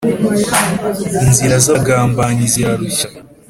inzira z’abagambanyi zirarushya